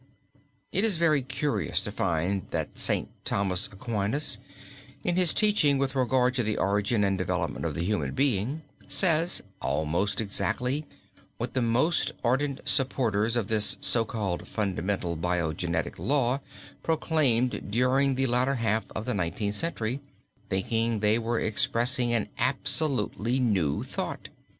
It is very curious to find that St. Thomas Aquinas, in his teaching with regard to the origin and development of the human being, says, almost exactly, what the most ardent supporters of this so called fundamental biogenetic law proclaimed during the latter half of the Nineteenth Century, thinking they were expressing an absolutely new thought.